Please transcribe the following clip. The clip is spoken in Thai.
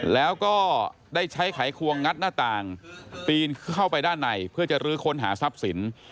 แล้วก็ได้ใช้ไขควงงัดหน้าต่างปีนเข้าไปด้านในเพื่อจะลื้อค้นหาทรัพย์สิน